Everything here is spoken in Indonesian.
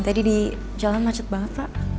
tadi di jalan macet banget pak